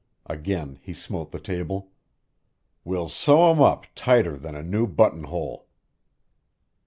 Again he smote the table. "We'll sew 'em up tighter than a new buttonhole."